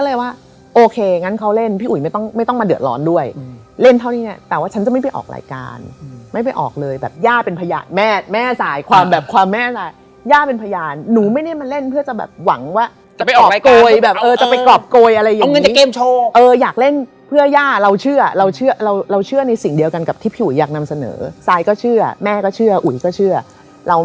เห็นคนที่กำลังจะมาลองแคสต่อจากเรา